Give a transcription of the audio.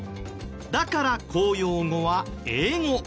だから公用語は英語。